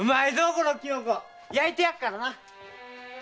このキノコ焼いてやっからな！